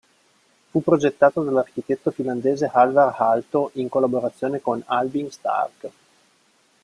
Fu progettato dall'architetto finlandese Alvar Aalto, in collaborazione con Albin Stark.